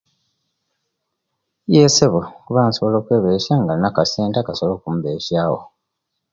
Yee ssebo kuba nsobola kweberesia nga ndina akasente akasobola nkuberesiawo.